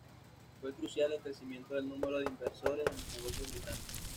Fue crucial el crecimiento del número de inversores en los negocios británicos.